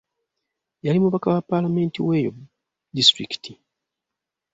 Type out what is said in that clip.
Yali mubaka wa paalamenti w'eyo disiitulikiti .